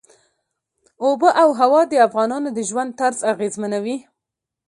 آب وهوا د افغانانو د ژوند طرز اغېزمنوي.